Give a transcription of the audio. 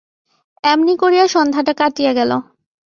এমনি করিয়া সন্ধ্যাটা কাটিয়া গেল।